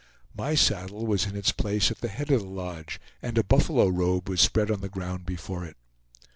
My saddle was in its place at the head of the lodge and a buffalo robe was spread on the ground before it.